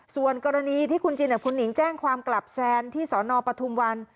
ส่วนกรณีที่คุณจินกับคุณหิงแจ้งความกลับแซนที่สนปทุมวัน